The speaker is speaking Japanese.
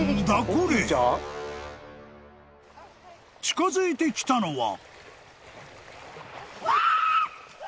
［近づいてきたのは］